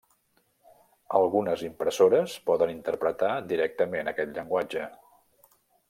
Algunes impressores poden interpretar directament aquest llenguatge.